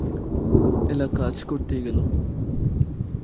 এলা কাজ করতেই গেল।